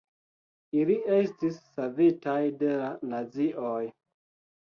Ili estis savitaj de la nazioj.